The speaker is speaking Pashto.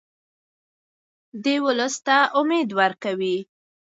دی ولس ته امید ورکوي.